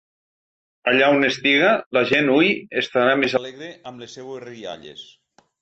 Allà on estiga, la gent hui estarà més alegre amb les seues rialles.